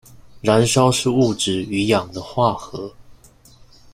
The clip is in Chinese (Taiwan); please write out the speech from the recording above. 燃燒是物質與氧的化合